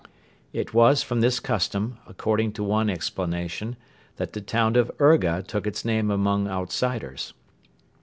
It was from this custom, according to one explanation, that the town of Urga took its name among outsiders.